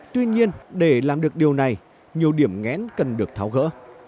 tuy nhiên để làm được điều này nhiều điểm ngén cần được tháo gỡ